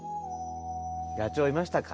野鳥いましたか？